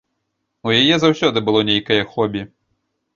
У яе заўсёды было нейкае хобі.